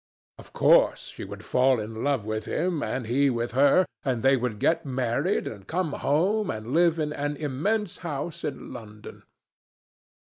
Of course, she would fall in love with him, and he with her, and they would get married, and come home, and live in an immense house in London.